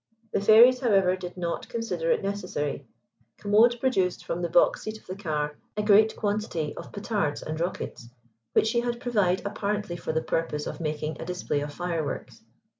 The Fairies, however, did not consider it necessary. Commode produced from the box seat of the car a great quantity of petards and rockets, which she had provided apparently for the purpose of making a display of fireworks.